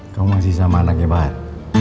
kamu masih sama anaknya pak